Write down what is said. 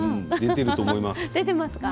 出てますか。